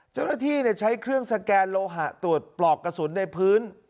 เจ้าหน้าที่ใช้เครื่องสแกนโลหะตรวจปลอกกระสุนในพื้น